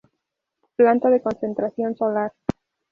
Planta de Concentración Solar.